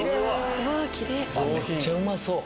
めっちゃうまそう。